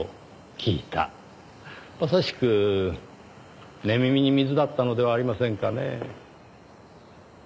まさしく寝耳に水だったのではありませんかねぇ。